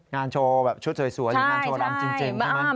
โชว์แบบชุดสวยหรืองานโชว์รำจริงใช่ไหม